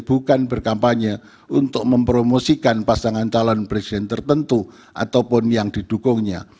bukan berkampanye untuk mempromosikan pasangan calon presiden tertentu ataupun yang didukungnya